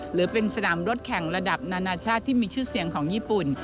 หรือเป็นสนามรถแข่งระดับนานาชาติที่มีชื่อเสียงของญี่ปุ่น